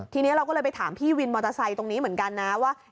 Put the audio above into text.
ทีนี้เราก็เลยไปถามพี่วินมอเตอร์ไซค์ตรงนี้เหมือนกันนะว่า